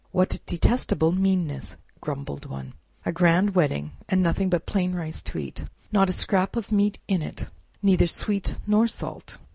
"What detestable meanness!" grumbled one; "a grand wedding, and nothing but plain rice to eat! Not a scrap of meat in it, neither sweet nor salt!